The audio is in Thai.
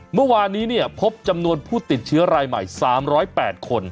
เมื่อวานนี้พบจำนวนผู้ติดเชื้อรายใหม่๓๐๘คน